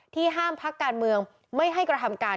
ห้ามพักการเมืองไม่ให้กระทำการ